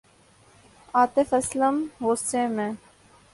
آطف اسلم غصے میں